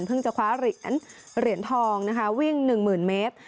เพิ่งจะคว้าเหรียญทองวิ่ง๑๐๐๐๐เมตร